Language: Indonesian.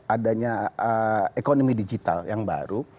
adanya ekonomi digital yang baru